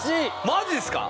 マジですか？